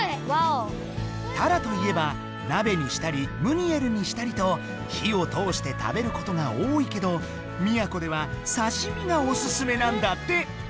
ワオ！たらといえばなべにしたりムニエルにしたりと火を通して食べることが多いけど宮古ではさしみがおすすめなんだって。